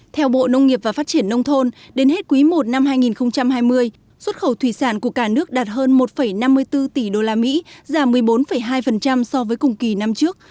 theo bộ nông nghiệp và phát triển nông thôn đến hết quý i năm hai nghìn hai mươi xuất khẩu thủy sản của cả nước đạt hơn một năm mươi bốn tỷ usd giảm một mươi bốn hai so với cùng kỳ năm trước